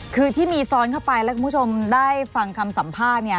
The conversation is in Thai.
คือที่มีซ้อนเข้าไปแล้วคุณผู้ชมได้ฟังคำสัมภาษณ์เนี่ย